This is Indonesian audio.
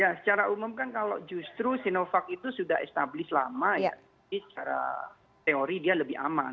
ya secara umum kan kalau justru sinovac itu sudah established lama ya jadi secara teori dia lebih aman